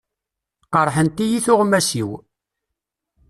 Qerḥent-iyi tuɣmas-iw.